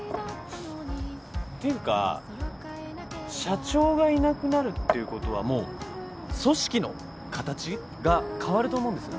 ていうか社長がいなくなるっていうことはもう組織の形が変わると思うんです。